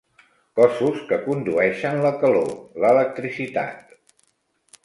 Cossos que condueixen la calor, l'electricitat.